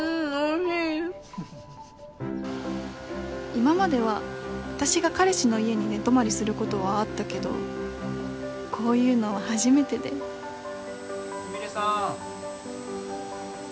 今までは私が彼氏の家に寝泊まりすることはあったけどこういうの初めてでスミレさん